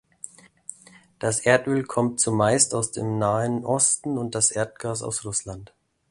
Das Erdöl kommt zumeist aus dem Nahen Osten und das Erdgas aus Russland.